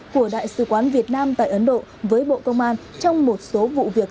của đại sứ quán việt nam tại ấn độ với bộ công an trong một số vụ việc